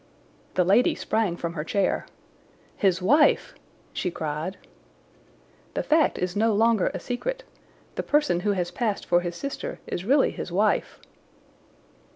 The lady sprang from her chair. "His wife!" she cried. "The fact is no longer a secret. The person who has passed for his sister is really his wife."